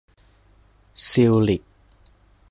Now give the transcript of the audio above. ซิลลิค